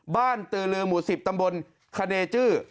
บ้านเตือนเรือหมู่สิบตำบลคาเนจื้อ